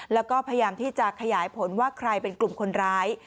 แล้วก็พยายามที่จะขยายผลว่าใครเป็นกลุ่มคนร้าย